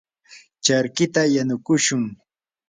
charkita yanukushun.